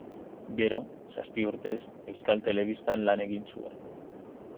Gero, zazpi urtez, Euskal Telebistan lan egin zuen.